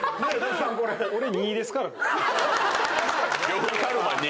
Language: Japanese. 呂布カルマ２。